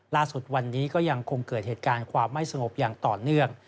ล่าสุดวันนี้ก็ยังคงเกิดเหตุการณ์ความไม่สงบอย่างต่อเนื่อง